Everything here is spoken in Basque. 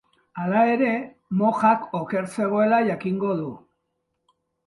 Hala ere, mojak oker zegoela jakingo du.